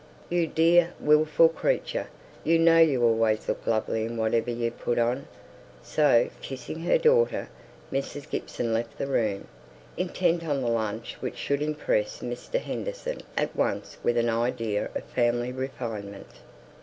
"You dear, wilful creature! you know you always look lovely in whatever you put on." So, kissing her daughter, Mrs. Gibson left the room, intent on the lunch which should impress Mr. Henderson at once with an idea of family refinement.